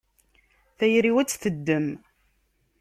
Tayri-w ad tt-teddem.